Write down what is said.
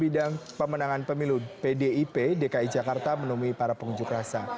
bidang pemenangan pemilu pdip dki jakarta menemui para pengunjuk rasa